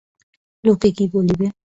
লোকে কী বলিবে।